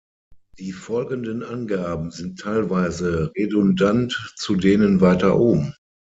Die folgenden Angaben sind teilweise redundant zu denen weiter oben